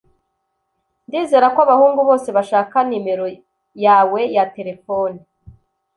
Ndizera ko abahungu bose bashaka numero yawe ya terefone.